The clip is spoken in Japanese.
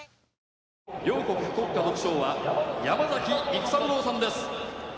両国国歌独唱は山崎育三郎さんです。